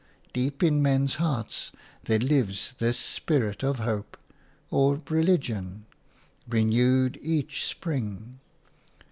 Deep in men's hearts there lives this spirit of hope – or religion – renewed each spring.